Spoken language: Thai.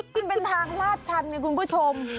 ไม่เป็นทางราดครั้งคุณผู้ชม